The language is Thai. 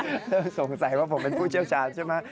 เธอสงสัยว่าผมเป็นผู้เชี่ยวชาญใช่ไหม